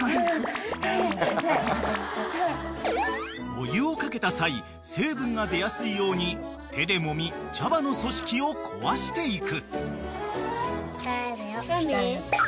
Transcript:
［お湯を掛けた際成分が出やすいように手でもみ茶葉の組織を壊していく］